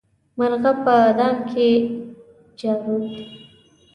مرغه په دام کې جارووت.